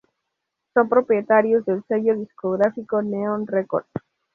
Son propietarios del sello discográfico Neon Records.